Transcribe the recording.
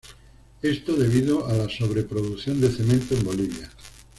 Esto debido a la sobreproducción de cemento en Bolivia.